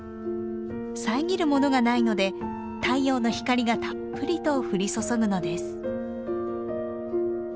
遮るものがないので太陽の光がたっぷりと降り注ぐのです。